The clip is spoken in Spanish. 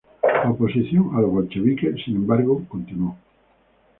La oposición a los bolcheviques, sin embargo, continuó.